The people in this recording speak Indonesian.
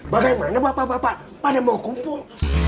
bagaimana bapak bapak pada mau kumpul